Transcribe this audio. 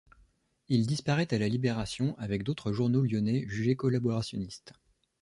Il disparaît à la Libération, avec d'autres journaux lyonnais jugés collaborationnistes.